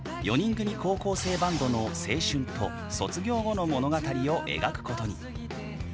４人組高校生バンドの青春と卒業後の物語を描くことに。